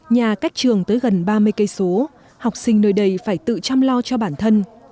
nhà cách trường tới gần ba mươi km học sinh nơi đây phải tự chăm lo cho bản thân